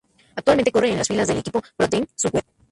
Actualmente corre en las filas del equipo ProTeam Sunweb.